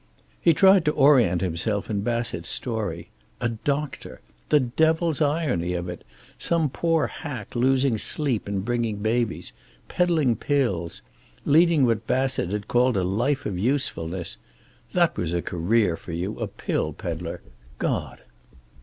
He tried to orient himself in Bassett's story. A doctor. The devil's irony of it! Some poor hack, losing sleep and bringing babies. Peddling pills. Leading what Bassett had called a life of usefulness! That was a career for you, a pill peddler. God!